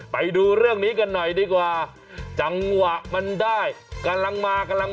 ไปดูเรื่องนี้กันหน่อยดีกว่าจังหวะมันได้กำลังมากำลัง